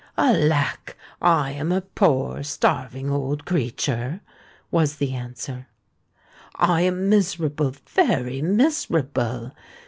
"Alack! I am a poor, starving old creature," was the answer; "I am miserable—very miserable!